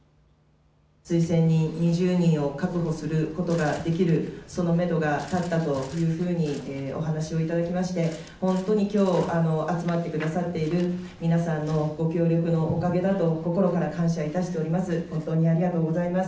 推薦人２０人を確保することができる、そのめどが立ったというふうにお話をいただきまして本当にきょう集まってくださっている皆さんのご協力のおかげだと心から感謝いたしております。